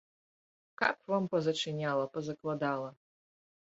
Каб вам пазачыняла, пазакладала!